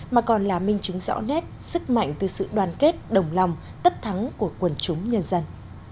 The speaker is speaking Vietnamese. mà còn là minh chứng rõ nét sức mạnh từ sự đoàn kết đồng lòng tất thắng của quần chúng nhân dân